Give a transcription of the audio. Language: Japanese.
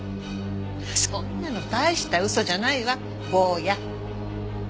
そんなの大した嘘じゃないわ坊や。